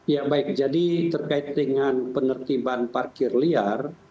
ya baik jadi terkait dengan penertiban parkir liar